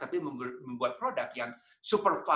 tapi membuat produk yang sangat cepat